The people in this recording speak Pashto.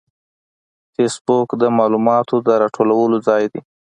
فېسبوک د معلوماتو د راټولولو ځای دی